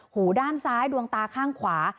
หูด้านซ้ายดวงตาข้างขวา